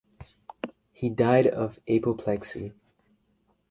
He died of apoplexy.